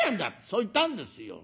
そう言ったんですよ。